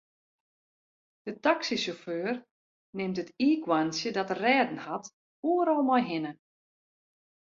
De taksysjauffeur nimt it iikhoarntsje dat er rêden hat oeral mei hinne.